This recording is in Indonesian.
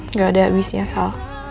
nggak ada abisnya sal